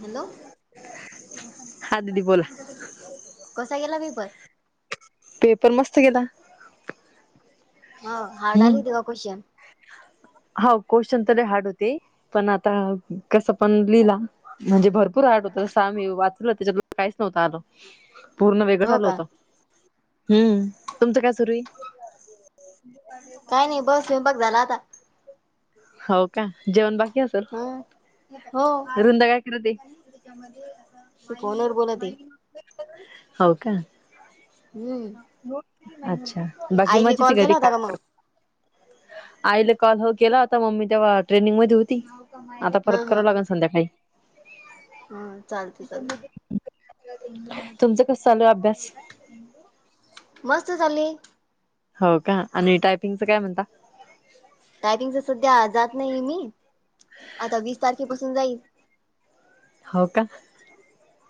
Hello हा दिदी बोला कसा गेला पेपर पेपर मस्त केेला हो हाड आली ते का कोशन होा क्वेशचन तरी हार्ड होते पण आता कसं पण लिहिला म्हणजे भरपूर आट होत साम वाचलं त्याच्या काहीच नव्हतं आ पूर्ण वेगळंच हो आल का होत हम्म तुमचं काय सुरू काही नाही बस वििणपक झाला आता हो का जेवण बाकी असेल ह हो रुंदकाय ती फोनवर बोलत आहे. [unintelligible] हव का. हम्म अच्छा बाकी आईली मजेत कॉल घरी केला का. होता मग आईला कॉल हो केला होता मम्मी तेव्हा ट्रेनिंग मध्ये होती आता हा परत हा कराव लागल संध्याकाळी ह चालते चालते तुमचं कस चालू आहे अभ्यास मस्त झाली. हो का आणि टायपिंगचं काय म्हणता. टायपिंगच सध्या जात नाही मी आता वीस तारखेपासून जाईल. हो का.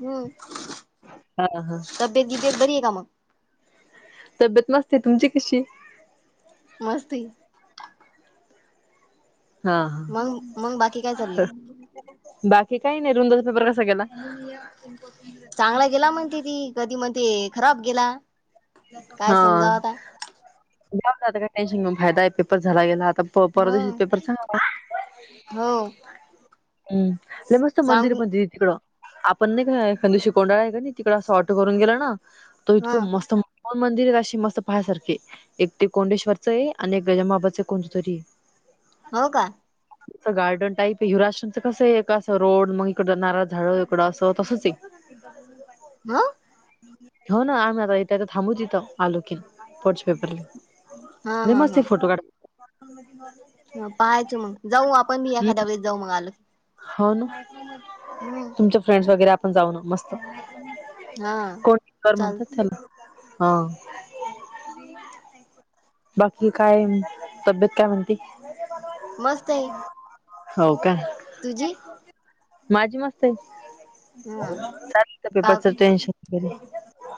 हम्म. हा हा. तब्येत बिब्येत बरी आहे का मग. तब्येत मस्त आहे तुमची कशी? मस्ती. हा मग मग बाकी काय चालले हा बाकी काही नाही रुंदाचा पेपर कसा केला. चांगला गेला म्हणते ती कधी म्हणते खराब गेला. काय हा समजाव आता जाऊ ना आता काय टेन्शन फायदा आहे पेपर झाला गेला आता ह [unintelligible] पेपरचा हो. हम् मस्त मंदिर सांगू पण तिथ तिकड आपण नाही का शिकोंडा तिकड असं ऑटो करून गेलं ना तो इतक हा मस्तन मंदिर आहे अशी मस्त पहासारखी. एक ते कोंडेश्वरचं आहे आणि एक गजमबाबाच कोणत तरी हो का. [unintelligible] गार्डन टाईप आहे हिुराश्रमचं कसं आहे असं रोड मग इकडं नार झाड इकडं असं तसंच ये [unintelligible] ह. हो ना आ्ही आता इता थांबू दितो आलोकर पोच पेपारला. हा लय हा मस्त हा फोटो काढ ह पहायचं मग जाऊ आपण मी एखाद्या वेस जाऊ मग आल होन. हम्म. तुमच्या फ्रेंडस वगैरे आपण जाऊन मस्त हा कोणी कर चाल म्हणतात त्याला हा. बाकी काय तब्येत काय म्हणते. मस्त आहे. हो का. तुझी. माझी मस्त आहे हा चा का पेपरच टेन्शन वगैरे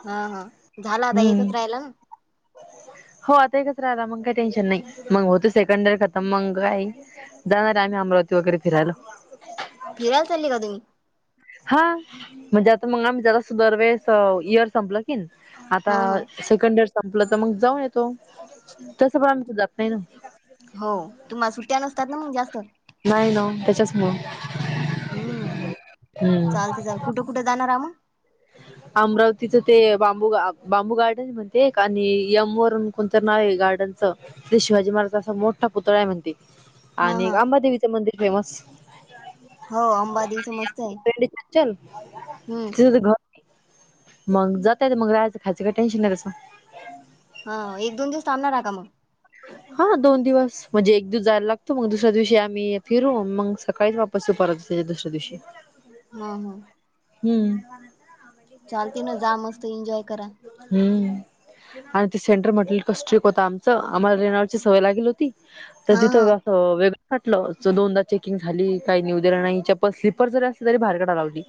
हा हा झाला आता हम्म एकच राहीला ना. हो आता एकच राहला मग काही टेन्शन नाही मग होत सेकंड दर खतम मंग काय जाणार आम्ही अमरावती वगैरे फिरायला. फिरायला चालले का तुम्ही? हा म्हणजे आता मग आम्ही जरा सु दरवेेळेस इयर संपलं की आता हा हा सेकंड इयर संपलं तर मग जाऊन येतो तसं पण आम्ही कुठ जात नाही ना. हो तुम्हाला सुट्ट्या नसतात ना मग जास्त. नाही ना त्याच्याचमुळं हम्म चालते चाल कुठं कुठं जाणार आ म अमरावतीच ते बांबू बांबू गार्डन म्हणते आणि यम वरून कोणतं नाव आहे गार्डनचं ते शिवाजी महाराज असा मोठा पुतळा आहे म्हणते. हा आणि हा अंबादेवीचं मंदिर फेमस हो अंबादेवीच मस्त आहे ल हम्म त घ मग जातय ते मग राहाचं खायचं काय टेन्शन आहे तसं. हा एक दोन दिस थांबणार का मग. [unintelligible] हा दोन दिवस म्हणजे एक दिवस जायला लागतो मग दुसऱ्या दिवशी आम्ही फिरू मग सकाळी वाप बसु परततील दुसऱ्या दिवशी. हा हा. हम्म. चालते ना जा मस्त एन्जॉय करा. हम्म आणि ते सेंटर म्हटल का स्ट्रीक होत आमचं आम्हाला रेनोलची सवय लागेल होती. तर हा हा तिथं. हो वेगळं काटलं च दोनदा चेकिंग झाली काही निऊ दिलं नाही चप्पल स्लीपर जरी असल तरी बाहेर काढाया लावली.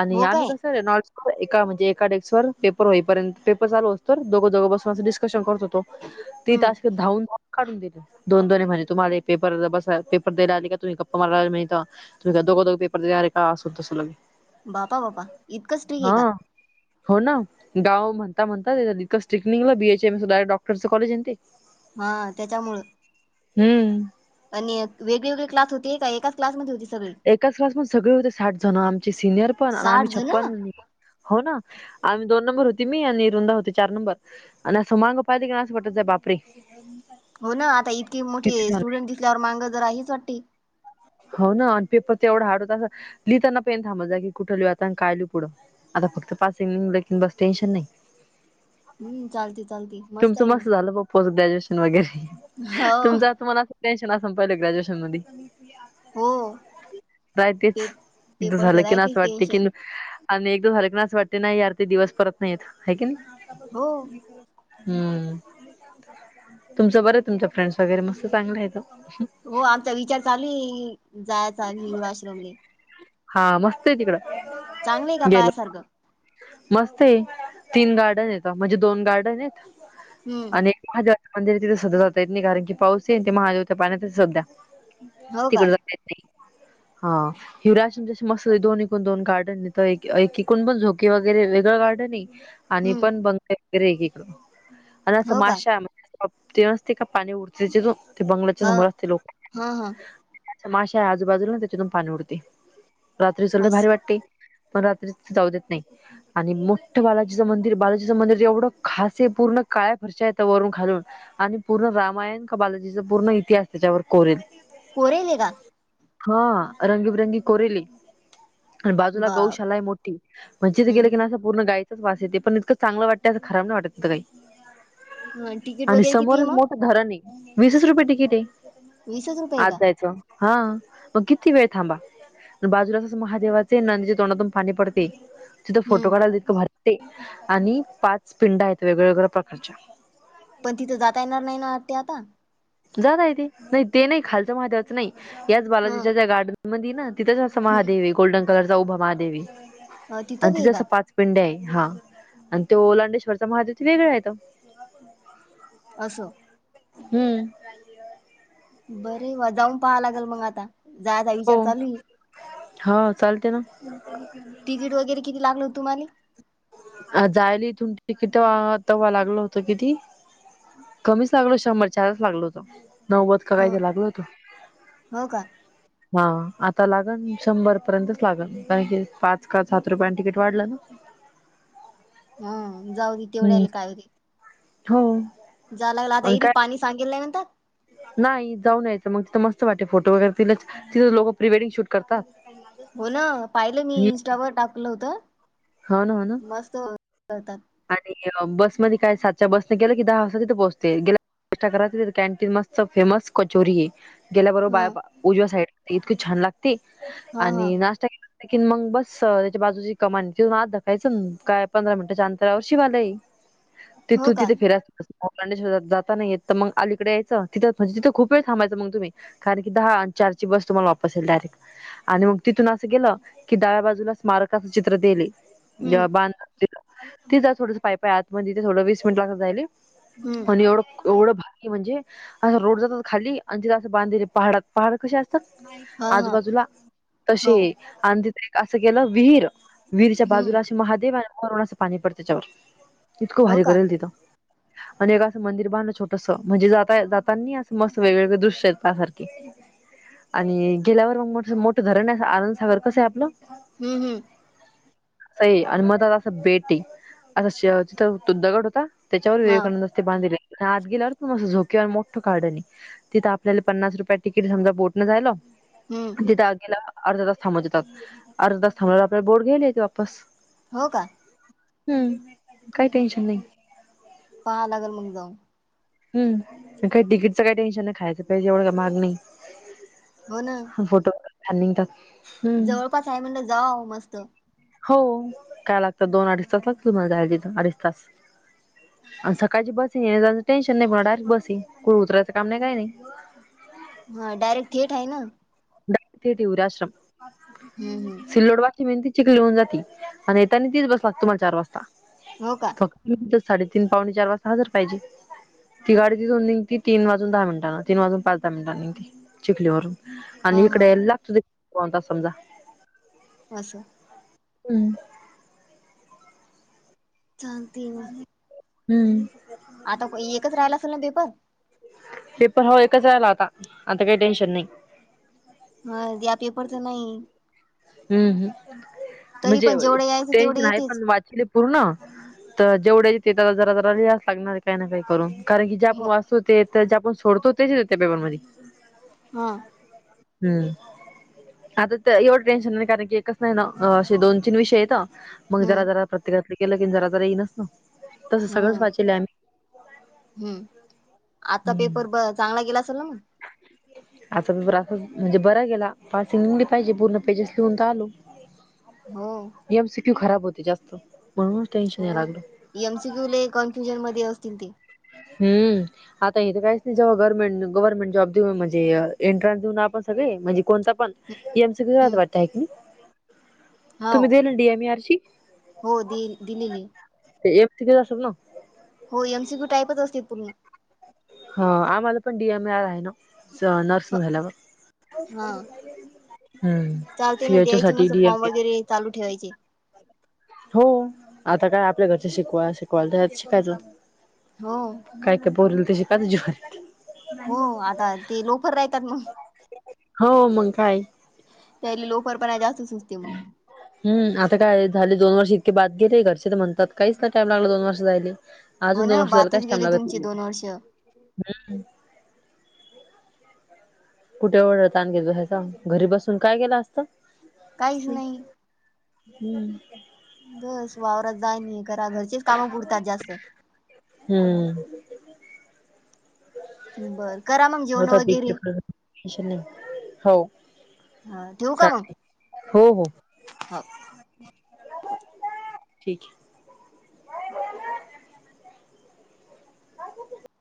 आणि हो आम्ही काय कस? रेनोल्ड ए एका म्हणजे एका डेस्क व पेपर होईर्यंत पेपर चालू असतोर दोघं दोघ बसून डिस्कशन करत होतो. ती हम्म तासक धावून काढून दिले दोन दोन म्हणे तुम्हाला पेपर बसाय पेपर द्याला आले का तुम्ही गप्पा माराला आले इथं. तुझ दोघ दोघ पेपर देणार का अस तसं. बापा बपा. हा होना. गाव म्हणता म्हणता तिथं डिकस स्टिकनिंगला बीएचएमस डायरेक्ट डॉटरच कॉलेज ना ते हा त्याच्यामुळं. हम्म. आणि एक वेगळवेगळे क्लास होते का एकाच क्लासमध्ये होती सगळी एकाच क्लास मदे सगळे होते साठ जण आमचे सिनियर पण आणि साठ आम्ही जण छप्पन हो ना आमी दोन नंबर होती मी आणि रुंदा होती चार नंबर आणि सुमांग उपादे त क ना असं पटत बापरी हो ना आता इतकी मोठीे स्टुडंट दिसल्यावर मांग जरा हीच वाटती. हो ना आणि पेपर तेवढा हाड होता असं लिहिताना पेन थांबत जागी कुठं लिव्हायचा आता आणि काय लिऊ पुढं. आता फक्त पासिंग निलं की बस टेन्शन नाही. हम् चालते. चालते तुमचं आहे मग मस्त झालं बो पोस्ट ग्रॅज्युएशन वगैरे हो तुमचंता तुमाला असं. टेन्शन असून पहिले ग्रॅज्युएशन मधी नाहीय हो तेच पे इथं पेपरच झालं की नाही राहतेच असं वाटत की टेन्शन आणि एक दो हलकण्यास वाटते नाही यार ते दिवस परत नाही येत हाय की ना हो. हम्म तुमचं बरं तुमच्या फ्रेंड्स वगैरे मस्त चांगलं येत ओ. हो आमचा विचार चालू जायचा हिर आश्रमने. हा मस्त आहे चांगलं आहे का तिकडं गेल. पायासारखं मस्त तीन गार्डन येत म्हणजे दोन गार्डन आहेत हम्म आणि महादेवच्या मंदिर आहे तथं सध्या जात येत नाही कारण क पाऊस आहे ते महादेवच्या पाण्यातच सध्या हो का तिकड नाही हा. हिवराश ज मस्त दोन एकूण दोन गार्डन आहे तर एक एकूण पण झोके वगैरे वेगळं गार्डन आहे. आणि हम्म पण बंगा वगैरे एकीकड आणि अस हो का माशा ते न असते का पाणी उरते ते बंगलाच्या हा समोर असते लोक. हा हा माशा आजूबाजूला त्याच्यातून पाणी उडते रात्रीच लय भारी अस वाटते पण रात्री जाऊ देत नाही. आणि मोठं बालाजीचं मंदिर बालाजीचं मंदिर एवढं खास पूर्ण काळ्या फरच्या येतं वरून खालून आणि पूर्ण रामायण का बालाजीच पूर्ण इतिहास त्याच्यावर कोरेलय कोरेलय का? हा रंगीबिरंगी कोरेलय आणि बाजूला बाप गौशालाय मोठी पण तिथं गेल हम्म की नाही असं. पूर्ण गायचच वास येते पण इतंक चांगलं वाटते असं खराब नाही वाटत काई. ह तिकीट आणि वगैरे किती आहे समोरच मग मोठा धरण आहे वीसच रुपये तिकीट आहे वीसच रुपये आज का जायचं. हा मग किती वेळ थांबा. बाजूला असच महादेवाचे नांदच्या तोंडातून पाणी पडते तिथ फोटो हम्म काढयला ततकं भारी ते आणि पाच पिंड आहेत वेगळ्या वगळ्या प्रकारच्या पण तिथं जाता येणार नाही ना आत्या आता जाता येतय ते नाही ते नाही खालचं महादेवाचं नाही याच ह भागाच्या त्या गार्डन मधी ना? तिथंच असं हम् महादेव गोल्डन कलर चा उभा महादेवय आणि बी आहे तिथं का असं पाच पिंड आहे हा आणि तो लांडेश्वरचा महादेव त वेगळाय तो असं हम्म बरे वा जाऊन पहाला लागेल मग आता जायचा हो विचार चालू आहे हा चालते ना तिकीट वगैरे किती लागलं हो तुम्हाले? अ जायला इथून तिकिट तेव्हा लागलं होतं किती? कमीच लागलं शंभर आतच लागलो होत नव्वद का काय ह तरी लागल होतं हो का? हा आता लागण शंभर पर्यंतच लागन कारण कि पाच का सात रुपया तिकीट वाढलं ना? हम जाऊ दे हम्म तेवढ्याल काय ते हो जावं लागलं आणि आता काय पाणी सांगेलंय न नाही जाऊ यायचं मग तिथं मस्त वाटे फोटो वगैरे ति तिथं लोकं प्री वेडिंग शूट करतात. हो ना पाहिलं मी इंस्टावर टाकलं होत हो ना हो ना मस्त होत ते आणि बस मध्ये काय सातच्या बसने गेलं की दहा वाजता तिथे पोहोचते गेलं कि नाष्टा करा तिथं कॅन्टीन मस्त फेमस कचोरीय ह गेल्याबरोबर बा उजव्या साईड इतकी छान लागते हा हा आणि नाश्ता किन मग बस त्याच्या बाजूची कमानी तिथून आत धाकायचं काय पंधरा मिनिटच्या अंतरा रावर शिवालय हो तू का तिथे फिरायला मलांडेश्वराता जाता नाय येत तर मग अलीकडे याचं तिथं मग खूप वेळ थांबायचं मग तुम्ही कारण की दहा चारची बस तुम्हाला वापस येईल डायरेक्ट आणि मग तिथून असं गेलं की डाव्या बाजूला स्मारकाच चित्र दियेलय हम्म ज्हा तिच थोडस पायीपायी आत मधी तिेथं थोडं वीस मिनिट लागत जाईल हम्म आणि एवढं एवढं भारी म्हणजे असं रोड जातात खाली आणि तिथं असं बांधले पहाडात पहाड कशी असतात हा हा आजूबाजूला हो तशेय आणि तिथे एक असं गेलं विहीर विहीर च्या हम्म बाजूला असे महादेव वरून असं पाणी पडत त्याच्यावर इतकं हो भारी का करेलय तिथं आणि एक असं मंदिर बांधल छोटसं म्हणजे जात जातानी असं मस्त वेगवेगळे दृश्य आहेत पाहण्या सारखे आणि गेल्यावर मग मोठ मोठं धरण आहे आनंदसागर कसंय आपलं हम्म हम्म असय आणं मधात असं बेटय असं तिथं तो दगड होता त्याच्यावर हा विवेकानंद ते बांधले आत गेल्यावर प मस्ं झोके आणि मोठं गार्डनय तिथं आपल्याला पन्नास रुपयाे तिकीट समजा बोटनं जायला हम्म तिथे अगेला अर्ध त थांबवतेतात अर्धा तास थांबववर आपल्या बोर्ड गेले वापस हो का हम्म काही टेन्शन नाही पहा लागेल मग जाऊन हम काही तिकीटचं काही टेन्शन नाही खायचं पाहिजे एवढं का महाग नाही हो ना फोटो छान ननिघतात जवळपास आहे म्हणलं जावावो मस्त हो काय लागत दोन अडीच तास लागतात तुम्हाला जाय तिथ अडीच तास आणि सकाळची बस येण्याजाण्याचं टेन्शन नाही पण डायरेक्ट बस कुठं उतरायच काम नाही काय नाही. हा डयरेक्ट थेटय ना? द उराश्रम हम्म हम्म सिल्लोडवा मे चिखली होऊन जाते आणितानी ती बस लाला तुम्हाला चार वाजता हो का फक्त साडेतीन पावणे चार वाजता हा जर पाहिजे ती गाडी तिथून निघती तीन वाजून दहा मिनिटांना तीन वाजून पाच दहा मिनिटां निघती चिखलीवरून हा आणि हा इकडे लागतु कोणता समजा बसं हम्म चांगते हो हम्म आता एकच राहिला असेल ना पेपर पेपर हो एकच राहिला आता आता काही टेन्शन नाही हा द पेपर तर नाही हम्म हम् तरी म्हणजे पण जेवढे यायचं तेवढे टेन्शन आहे येतेच पण वा पूर्ण तर जेवढ्या ते जरा जरा लिहास लागणार काही ना काही करून कारण की जे आपण हो वाचतो ते तर जे आपण सोडतो तेच त्या पेपर मध्ये हा हम्म आ ते एवढ श कारण क एकच नाहीे दोन तीन विषय येत मग जरा हम्म ज प्रत्येकातलं केलं की जरा ज येई नसत ना तसं हो सगळंच वाचेल आम्ही हम्म आता पेपर बस चांगला गेलासरला मग ह आा पेपर असं म्हणजे बर गेला पासिंग निघली पाहिजे पूर्ण पेजेस लिहूनता आलू हो ए एमसीप्यू खराब होते जास्त म्हणूनच टेन्शन याय हो लागलं. एमसीक्यूले कॉन्फ्युजन मध्ये असतील ते हम् आता हे तर काहीच नाही जव्हा गव्हर्मेंट गव्हर्में जॉब देऊन म्हणजे एंट्रन्स देऊन आपण सगळे म्हणजे कोणता पण एमसी कात वाटत आहे मी हो तुम्ही देल डीएम आर ची [unintelligible] हो दि दिलेली ते एमिके द अस ना [inaudible] हो एमसी कू टाईपच असतील पूर्ण ह आम्हाला पण डीएम ए आर आहे ना नर्सिंग झाल्यावर हा हम्म चालते सी ना एच ओ द्यायची साठी मस D M form A R वगैरे चालू ठेवायचे हो आता काय आपल्या घरचे शिकवा शिकवायला तरत शिकायचं हो काय काय बोलल त्याची का झर [unintelligible] हो आता ते लवकर राहतात मग हो मग काय त्या लोकरर पण आहे जास्तच नसते मग [unintelligible] हम् आता काय झाले दोन वर्ष इतके बाद गेले घरचे तर म्हणतात काहीच ना टाइम लागला दोन वर्ष झायले हो अजून दोन ना वर्ष झालं काय बातच टाम गेले लागत तुमचे दोन वर्ष हम कुठे एढ त आण घेत बसायचा घरी बसून काय गेलं असत काहीच नाही हम्म बस वावरात जाय नाही करा घरचीच कामं पुडतात जास्त हम्म बरं करा मग जेवण वगैरे अश नाही हो [inaudible] हा ठेवऊ का मग चालेल हो हो हा ठीक आहे का [unintelligible]